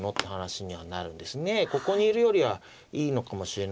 ここにいるよりはいいのかもしれないけど